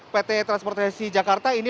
pt transportasi jakarta ini